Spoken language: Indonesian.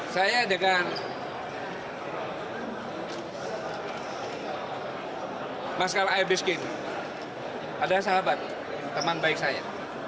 saya dengan marsikal marks binskin ada sahabat teman baik saya